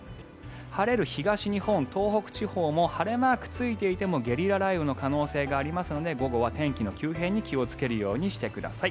晴れる東日本、東北地方も晴れマークがついていてもゲリラ雷雨の可能性がありますので午後は天気の急変に気をつけるようにしてください。